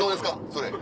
それ。